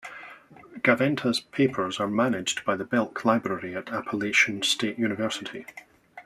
Gaventa's papers are managed by the Belk Library at Appalachian State University.